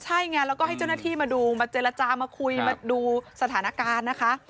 ใช่ไงแล้วก็ให้เจ้าหน้าที่มาดูมาเจรจามาคุยมาดูสถานการณ์นะคะ